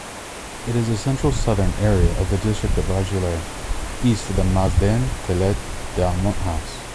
It is the central-southern area of the district of Argelers, east of the Mas d’en Quelet d’Amunt house.